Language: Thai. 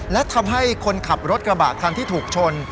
และทำให้คนขับรถกระบะคันที่ถูกชน